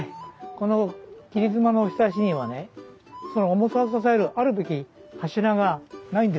この切り妻のひさしにはねその重さを支えるあるべき柱がないんですよ。